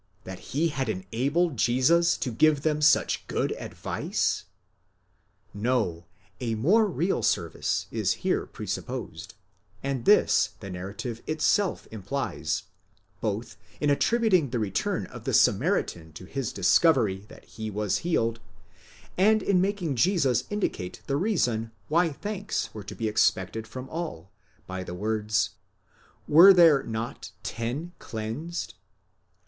that he had enabled Jesus to give them such good advice? No: a more real service is here presupposed ; and this the narrative itself implies, both in attributing the return of the Samaritan to his discovery that he was healed (ἰδὼν ὅτι ἰάθη), and in making Jesus indicate the reason why thanks were to be expected from all, by the words: οὐχὲ οἱ δέκα ἐκαθαρίσ θησαν; Were there not ten cleansed?